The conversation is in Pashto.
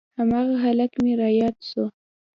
هماغه هلک مې راياد سو.